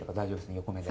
横目で。